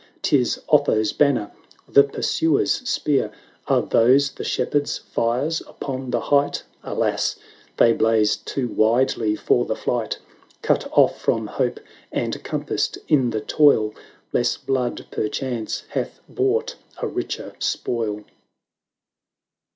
'Tis Otho's banner — the pursuer's spear ! Are those the shepherds' fires upon the height ? Alas ! they blaze too widely for the flight: Cut off from hope, and compassed in the toil. Less blood perchance hath bought a richer spoil